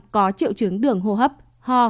bảy mươi bảy có triệu chứng đường hô hấp ho